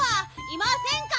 いませんか？